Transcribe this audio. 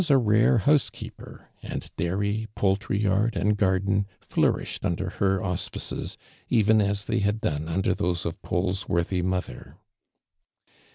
"" a rare housekeeper, and dairy, poiiltiy yard and gartlen, flourished under her .ui j'.ice. even as they liaddone under thosi' of Taul' i worthy mother.